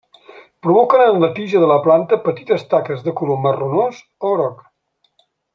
Provoquen en la tija de la planta petites taques de color marronós o groc.